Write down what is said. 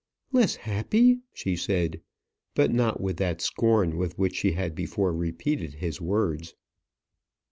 "Less happy!" she said; but not with that scorn with which she had before repeated his words.